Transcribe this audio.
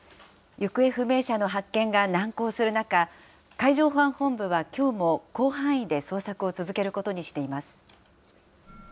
行方不明者の発見が難航する中、海上保安本部はきょうも広範囲で捜索を続けることにしています。